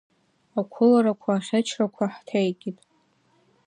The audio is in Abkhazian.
Ақәыларақәа, аӷьычрақәа хҭеикит.